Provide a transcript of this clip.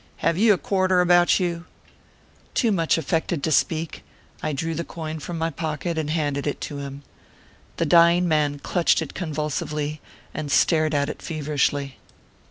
Have you a quarter about you ?" Too much affected to speak, I drew the coin from my pocket and handed it to him. The dying man clutched it convulsively, and stared at it feverishly.